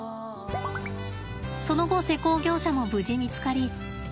その後施工業者も無事見つかり